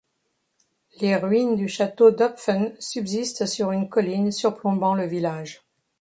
Les ruines du château d'Hopfen subsistent sur une colline surplombant le village.